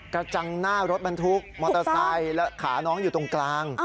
กระจังหน้ารถบรรทุกมอเตอร์ไซค์แล้วขาน้องอยู่ตรงกลาง